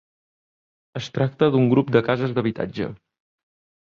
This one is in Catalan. Es tracta d'un grup de cases d'habitatge.